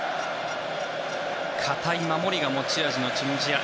堅い守りが持ち味のチュニジア。